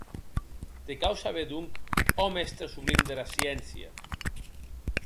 Te cau saber, donc, ò mèstre sublim dera sciéncia!